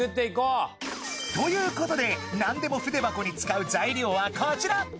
ということでなんでも筆箱に使う材料はこちら。